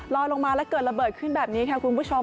ลงมาแล้วเกิดระเบิดขึ้นแบบนี้ค่ะคุณผู้ชม